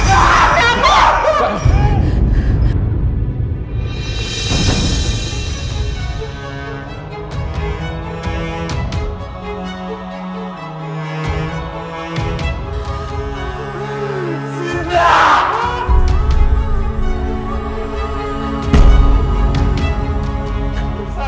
kok gue sendiri ya